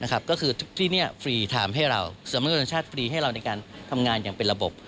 ก็คือที่นี่ฟรีทำให้เราสามารถชาติฟรีให้เราในการทำงานอย่างเป็นระบบ